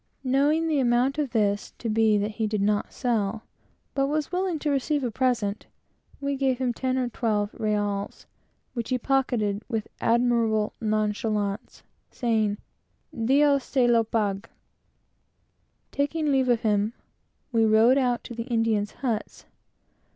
Knowing the amount of this to be that he did not sell it, but was willing to receive a present, we gave him ten or twelve reals, which he pocketed with admirable nonchalance, saying, "Dios se lo pague." Taking leave of him, we rode out to the Indians' huts.